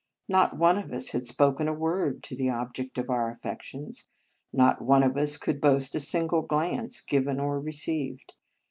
Not one of us had spoken a word to the object of our affections. Not one of us could boast a single glance, given or received.